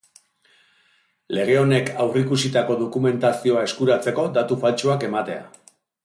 Lege honek aurreikusitako dokumentazioa eskuratzeko datu faltsuak ematea.